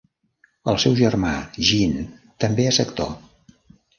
El seu germà Gene també és actor.